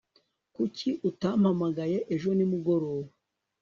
kuki utampamagaye ejo nimugoroba